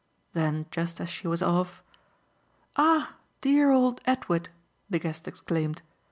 Then just as she was off, "Ah dear old Edward!" the guest exclaimed.